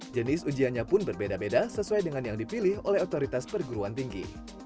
jenis ujiannya pun berbeda beda sesuai dengan yang dipilih oleh otoritas perguruan tinggi